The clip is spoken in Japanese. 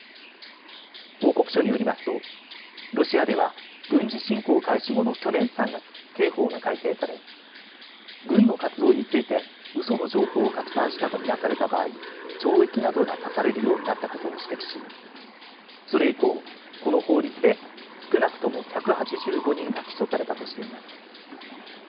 報告書によりますとロシアでは軍事侵攻開始後の去年３月、刑法が改正され軍の活動についてうその情報を拡散したと見なされた場合、懲役などが科されるようになったことを指摘し、それ以降、この法律で少なくとも１８５人が起訴されたとしています。